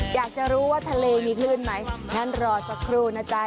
อยากจะรู้ว่าทะเลมีคลื่นไหมงั้นรอสักครู่นะจ๊ะ